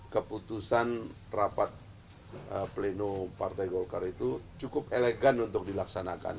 keputusan rapat pleno partai golkar itu cukup elegan untuk dilaksanakan